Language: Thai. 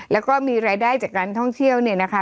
แล้วก็มีรายได้จากการท่องเที่ยวเนี่ยนะคะ